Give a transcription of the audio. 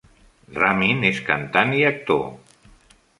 Ramin és cantant i actor.